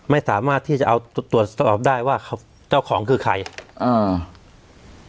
ไม่สามารถที่จะเอาตรวจสอบได้ว่าเจ้าของคือใครอ่า